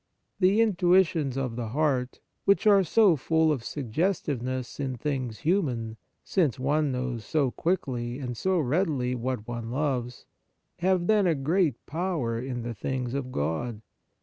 The intuitions of the heart, which are so full of suggestiveness in things human, since one knows so quickly and so readily what one loves, have then a great power in the things of God.